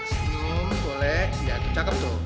senyum boleh ya tuh cakep tuh